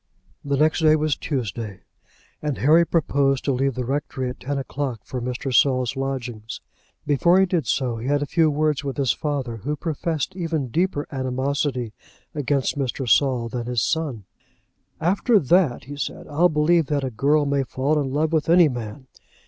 The next day was Tuesday, and Harry proposed to leave the rectory at ten o'clock for Mr. Saul's lodgings. Before he did so, he had a few words with his father, who professed even deeper animosity against Mr. Saul than his son. "After that," he said, "I'll believe that a girl may fall in love with any man!